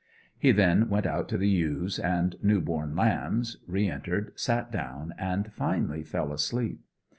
He then went out to the ewes and new born lambs, re entered, sat down, and finally fell asleep.